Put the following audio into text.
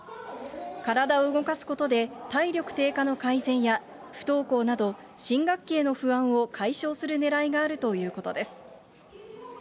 体を動かすことで、体力低下の改善や、不登校など、新学期への不安を解消するねらいがあるということです。